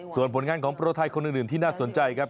ส่วนผลงานของโปรไทยคนอื่นที่น่าสนใจครับ